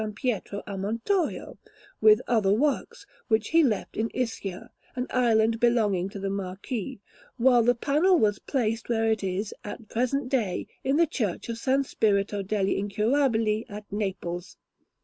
Pietro a Montorio, with other works, which he left in Ischia, an island belonging to the Marquis, while the panel was placed where it is at the present day, in the Church of S. Spirito degli Incurabili at Naples.